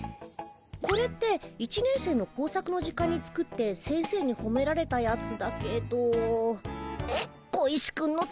これって１年生の工作の時間に作って先生にほめられたやつだけど小石君のためだよね。